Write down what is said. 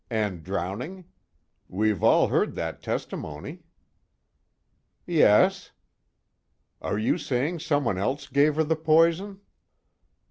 And drowning? We've all heard that testimony." "Yes." "Are you saying someone else gave her the poison?"